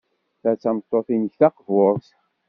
Ta d tameṭṭut-nnek taqburt.